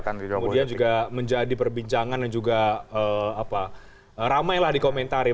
kemudian juga menjadi perbincangan yang juga apa ramailah di komentar ya